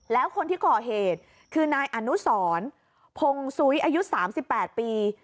แล้วคนที่ก่อเหตุคือนายอนุสรพงศุยย์อายุสามสิบแปดปี